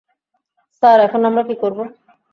Sir, এখন আমরা কী করব?